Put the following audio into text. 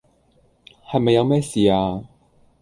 係咪有咩事呀